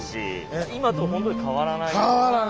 今とほんとに変わらないような。